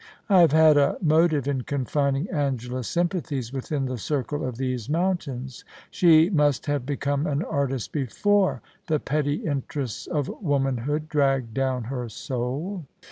I have had a motive in confining Angela's sympathies within the circle of these mountains. She must have become an artist before the petty interests of womanhood drag down her soul.'